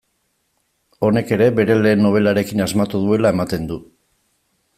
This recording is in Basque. Honek ere bere lehen nobelarekin asmatu duela ematen du.